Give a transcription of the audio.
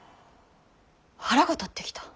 腹が立ってきた。